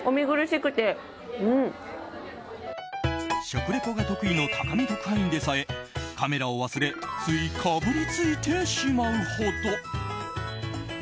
食リポが得意の高見特派員でさえカメラを忘れついかぶりついてしまうほど。